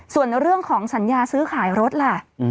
ส่วนเรื่องของสัญญาซื้อขายรถล่ะ